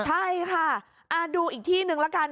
ใช่ค่ะดูอีกที่หนึ่งแล้วกัน